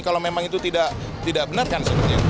kalau memang itu tidak benar kan sebetulnya